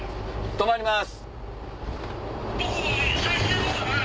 泊まります。